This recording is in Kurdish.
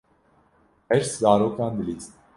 Heşt zarokan dilîst.